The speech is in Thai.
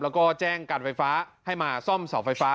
แล้วก็แจ้งการไฟฟ้าให้มาซ่อมเสาไฟฟ้า